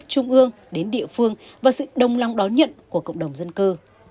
từ các cơ sở gấp trung ương đến địa phương và sự đồng lòng đón nhận của cộng đồng dân cư